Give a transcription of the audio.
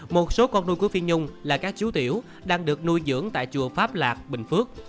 một số con nuôi của phi nhung là các chú tiểu đang được nuôi dưỡng tại chùa pháp lạc bình phước